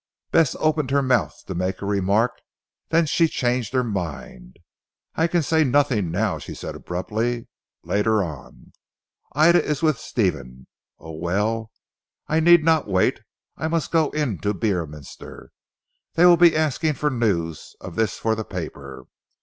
Bess opened her mouth to make a remark, then she changed her mind. "I can say nothing now," she said abruptly, "later on. Ida is with Stephen. Oh, well, I need not wait. I must go into Beorminster. They will be asking for news of this for the paper.